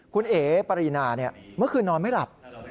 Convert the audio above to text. คุณเอ๋ปรีนาเมื่อคืนนอนไม่หลับ